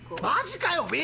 マジかよ